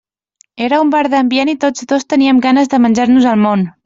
Era un bar d'ambient i tots dos teníem ganes de menjar-nos el món.